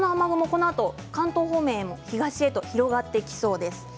このあと関東方面へ東へと広がってきそうです。